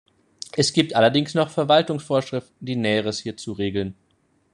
Es gibt allerdings noch Verwaltungsvorschriften die Näheres hierzu regeln.